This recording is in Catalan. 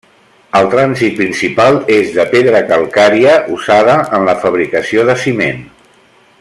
El trànsit principal és de pedra calcària usada en la fabricació de ciment.